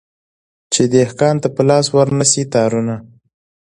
چي دهقان ته په لاس ورنه سي تارونه